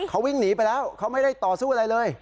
เขาวิ่งหนีไปแล้วเขาไม่ได้ต่อสู้อะไรเลย